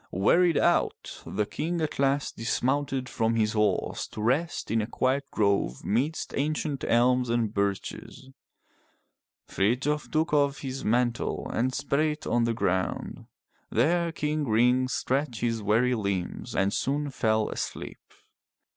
Wearied out, the King at last dismounted from his horse to rest in a quiet grove midst ancient elms and birches. Frithjof took off his mantle and spread it on the ground. There King Ring stretched his weary limbs and soon fell asleep.